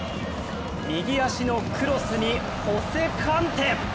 右足のクロスにホセ・カンテ。